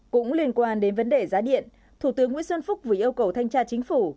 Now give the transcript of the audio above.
cũng liên quan đến vấn đề giá điện thủ tướng nguyễn xuân phúc vừa yêu cầu thanh tra chính phủ